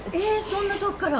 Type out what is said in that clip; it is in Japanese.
そんな遠くから？